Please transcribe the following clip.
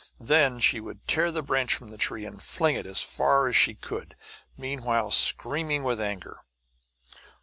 Then she would tear the branch from the tree and fling it as far as she could, meanwhile screaming with anger.